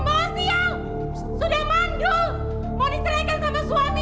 mau diserahkan sama suami